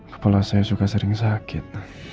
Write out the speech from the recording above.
kepala saya juga sering sakit